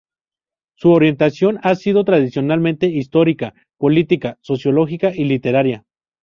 Su orientación ha sido tradicionalmente histórica, política, sociológica y literaria.